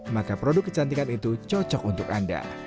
maka produk kecantikan itu cocok untuk anda